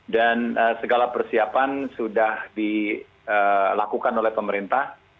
dan segala persiapan sudah dilakukan oleh pemerintah